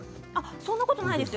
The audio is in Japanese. そんなことないんですよ